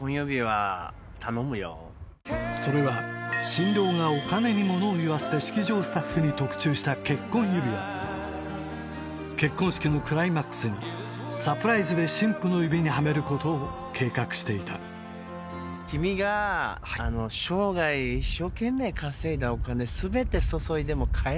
それは新郎がお金にものをいわせて式場スタッフに特注した結婚式のクライマックスにサプライズで新婦の指にはめることを計画していたそして結婚式が始まったしかしもしもし。